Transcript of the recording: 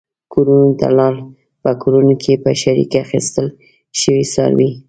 کورونو ته لاړل، په کورونو کې په شریکه اخیستل شوي څاروي.